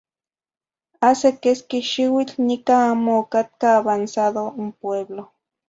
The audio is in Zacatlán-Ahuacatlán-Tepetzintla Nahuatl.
Hace quesqui xiuitl nicah amo ocatca avanzado n pueblo.